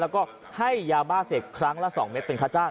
แล้วก็ให้ยาบ้าเสพครั้งละ๒เม็ดเป็นค่าจ้าง